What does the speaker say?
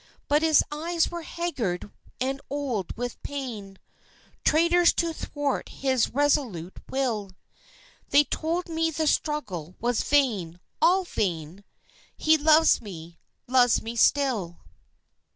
But his eyes were haggard and old with pain (Traitors to thwart his resolute will!) They told me the struggle was vain all vain! He loves me loves me still.